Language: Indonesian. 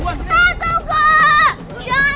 eh mau kemana